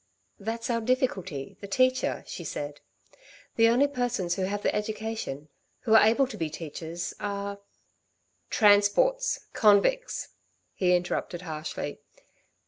"That's our difficulty, the teacher," she said. "The only persons who have the education, who are able to be teachers, are " "Transports convicts," he interrupted harshly.